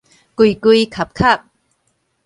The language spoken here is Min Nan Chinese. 跪跪磕磕